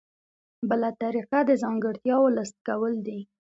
بله طریقه د ځانګړتیاوو لیست کول دي.